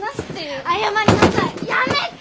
やめて。